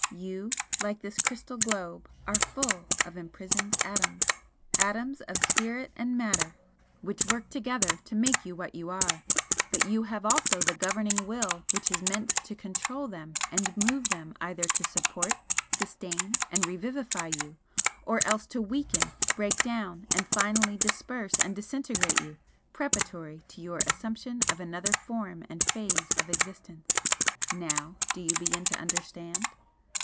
You, like this crystal globe, are full of imprisoned atoms atoms of Spirit and Matter which work together to make you what you are but you have also the governing Will which is meant to control them and move them either to support, sustain and revivify you, or else to weaken, break down and finally disperse and disintegrate you, preparatory to your assumption of another form and phase of existence. Now, do you begin to understand?"